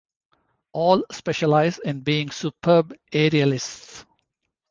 All specialise in being superb aerialists.